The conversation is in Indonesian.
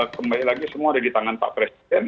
kembali lagi semua ada di tangan pak presiden